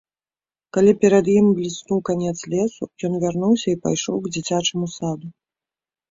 Калі перад ім бліснуў канец лесу, ён вярнуўся і пайшоў к дзіцячаму саду.